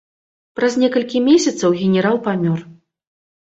Праз некалькі месяцаў генерал памёр.